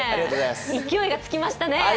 勢いがつきましたね。